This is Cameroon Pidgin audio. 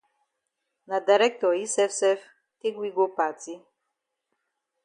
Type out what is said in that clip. Na dirctor yi sef sef take we go party.